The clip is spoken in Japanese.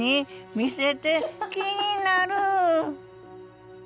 見せて気になる！